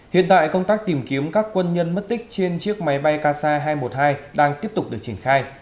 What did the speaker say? hiện tại công tác tìm kiếm các quân nhân mất tích trên chiếc máy bay kc hai trăm một mươi hai đang tiếp tục được triển khai